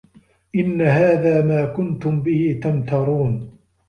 إِنَّ هذا ما كُنتُم بِهِ تَمتَرونَ